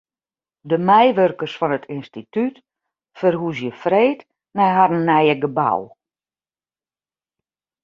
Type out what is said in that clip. De meiwurkers fan it ynstitút ferhúzje freed nei harren nije gebou.